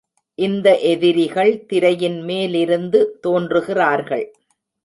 இந்த எதிரிகள் திரையின் மேலிருந்து தோன்றுகிறார்கள்.